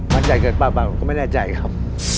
มั่นใจเกินเปล่าผมก็ไม่แน่ใจครับ